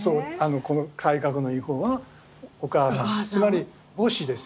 この体格のいい方はお母さんつまり母子ですよね。